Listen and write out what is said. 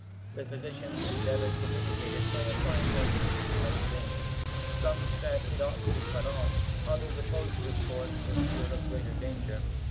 The physicians endeavoured to mitigate it by applying ointments, but in vain. Some said it ought to be cut off; others opposed this course, for fear of greater danger.